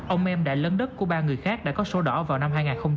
ông em đã lớn đất của ba người khác đã có sổ đỏ vào năm hai nghìn một mươi